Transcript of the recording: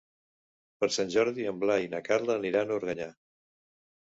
Per Sant Jordi en Blai i na Carla aniran a Organyà.